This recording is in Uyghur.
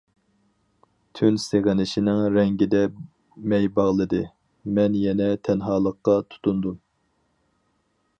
تۈن سېغىنىشنىڭ رەڭگىدە مەي باغلىدى، مەن يەنە تەنھالىققا تۇتۇندۇم.